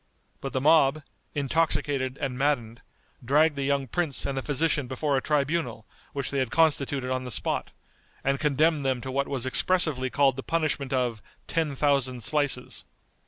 But the mob, intoxicated and maddened, dragged the young prince and the physician before a tribunal which they had constituted on the spot, and condemned them to what was expressively called the punishment of "ten thousand slices."